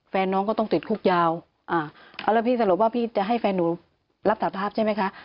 แฟนน้องก็ต้องติดคุกยาวอ่าแล้วพี่สรุปว่าพี่จะให้แฟนหนูรับสาภาพใช่ไหมคะ